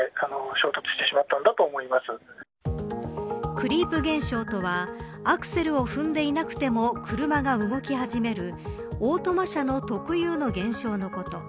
クリープ現象とはアクセルを踏んでいなくても車が動き始めるオートマ車の特有の現象のこと。